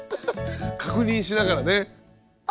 確認しながらね！